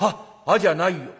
「『あっ』じゃないよ。